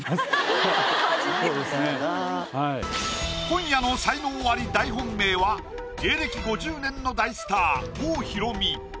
今夜の才能アリ大本命は芸歴５０年の大スター郷ひろみ。